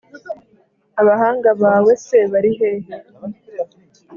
Abahanga bawe se bari hehe?